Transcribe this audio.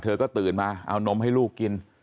เธอก็ตื่นมาเอานมให้ลูกกิน